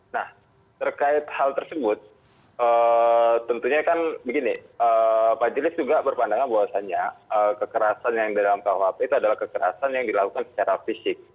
nah terkait hal tersebut tentunya kan begini majelis juga berpandangan bahwasannya kekerasan yang di dalam kuhp itu adalah kekerasan yang dilakukan secara fisik